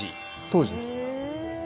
当時です。